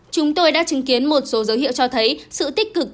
chúng tôi đã chứng kiến một số dấu hiệu cho thấy sự tích cực